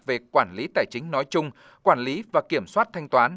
về quản lý tài chính nói chung quản lý và kiểm soát thanh toán